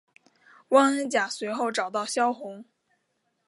汪恩甲随后找到萧红。